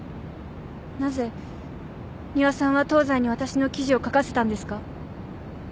なぜ仁和さんは『東西』に私の記事を書かせたんですか？